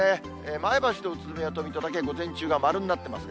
前橋と宇都宮と水戸だけ午前中が丸になってます。